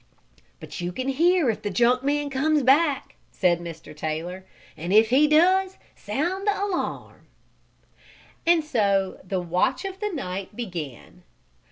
"But you can hear if the junk man comes back," said Mr. Taylor. "And, if he does, sound the alarm." And so the watch of the night began.